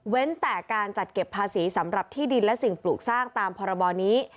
แต่การจัดเก็บภาษีสำหรับที่ดินและสิ่งปลูกสร้างตามพรบนี้